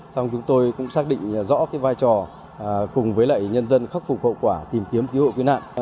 xong chúng tôi cũng xác định rõ cái vai trò cùng với lại nhân dân khắc phục hậu quả tìm kiếm cứu hội quy nạn